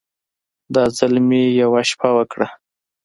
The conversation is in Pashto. دا ځل مې يوه شپه وکړه.